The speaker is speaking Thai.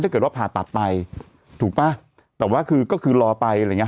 ถ้าเกิดว่าผ่าตัดไปถูกป่ะแต่ว่าคือก็คือรอไปอะไรอย่างเง